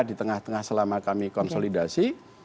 di tengah tengah selama kami konsolidasi